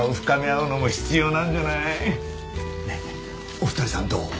お二人さんどう？